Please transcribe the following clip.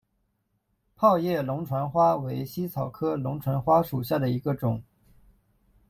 泡叶龙船花为茜草科龙船花属下的一个种。